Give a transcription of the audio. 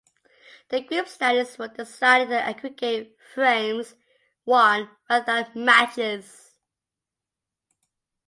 The group standings were decided on aggregate frames won rather than matches.